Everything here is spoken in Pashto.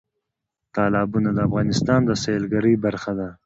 تالابونه د افغانستان د سیلګرۍ برخه ده.